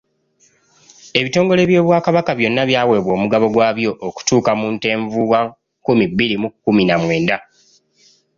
Ebitongole by’Obwakabaka byonna byaweebwa omugabo gwabyo okutuuka mu Ntenvu wa nkumi bbiri mu kkumi na mwenda.